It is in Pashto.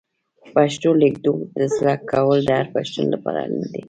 پښتو لیکدود زده کول د هر پښتون لپاره اړین دي.